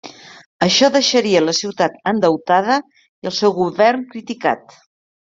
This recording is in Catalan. Això deixaria a la ciutat endeutada i el seu govern criticat.